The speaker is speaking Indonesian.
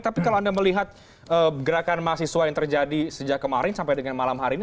tapi kalau anda melihat gerakan mahasiswa yang terjadi sejak kemarin sampai dengan malam hari ini